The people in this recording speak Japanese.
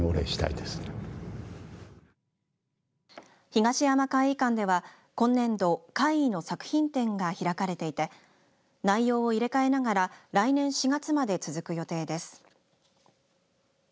東山魁夷館では今年度、魁夷作品展が開かれていて内容を入れ替えながら来年４月まで続く予定です。